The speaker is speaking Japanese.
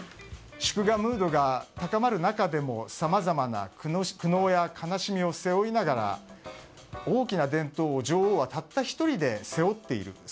祝賀ムードが高まる中でもさまざまな苦悩や悲しみを背負いながら大きな伝統を女王はたった１人で背負っている。